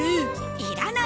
いらないよ。